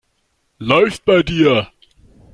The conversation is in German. Läuft bei dir.